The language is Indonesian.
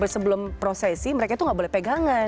sebelum prosesi mereka itu nggak boleh pegangan